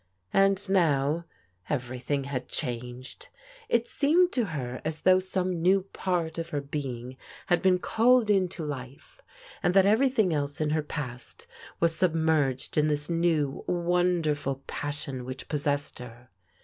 And now every thing had changed. It seemed to her as though some new part of her being had been called into life, and that everything else in her past was submerged in this new wonderful passion which possessed her.